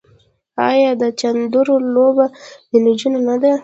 آیا د چيندرو لوبه د نجونو نه ده؟